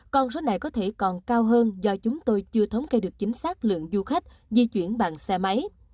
con số này có thể còn cao hơn do chúng tôi chưa thống kê được chính xác lượng du khách di chuyển bằng xe máy